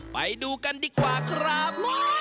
ไปดูกันดีกว่าครับ